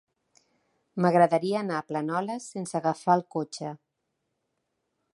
M'agradaria anar a Planoles sense agafar el cotxe.